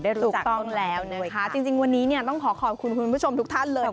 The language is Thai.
ได้รู้จักวันนี้จริงวันนี้ต้องขอขอบคุณคุณผู้ชมลูกท่านเลย